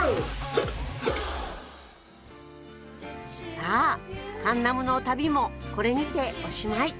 さあカンナムの旅もこれにておしまい。